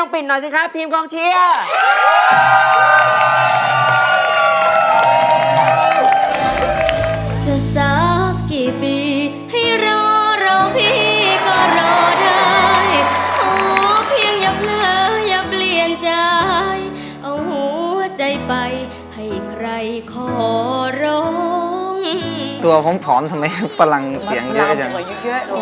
ไปให้ใครขอร้องตัวผมผอมทำไมพลังเสียงเยอะอย่างเยอะ